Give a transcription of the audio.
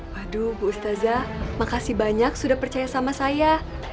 waduh bu ustazah makasih banyak sudah percaya sama saya